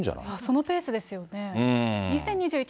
そのペースですよね。